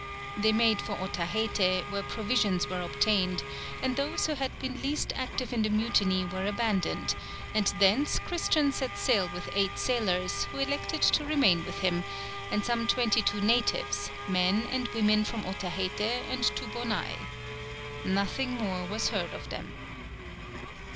They made for Otaheite, where provisions were obtained, and those who had been least active in the mutiny were abandoned, and thence Christian set sail with eight sailors, who elected to remain with him, and some twenty two natives, men and women from Otaheite and Toubonai. Nothing more was heard of them!